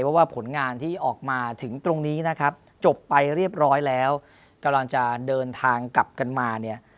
เพราะว่าผลงานที่ออกมาถึงตรงนี้นะครับจบไปเรียบร้อยแล้วกำลังจะเดินทางกลับกันมาเนี่ย